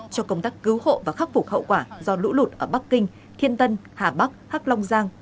cho công tác cứu hộ và khắc phục hậu quả do lũ lụt ở bắc kinh thiên tân hà bắc hắc long giang và cát lâm